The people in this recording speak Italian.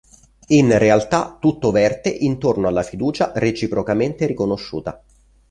In realtà tutto verte intorno alla fiducia reciprocamente riconosciuta.